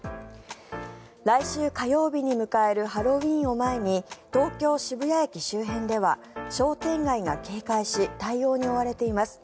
来週火曜日に迎えるハロウィーンを前に東京・渋谷駅周辺では商店街が警戒し対応に追われています。